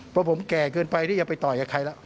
เพราะผมแก่เกินไปที่จะไปต่อยกับใครแล้ว